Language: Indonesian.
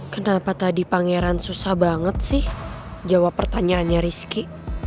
kenapa tadi pangeran susah banget sih jawab pertanyaannya rizky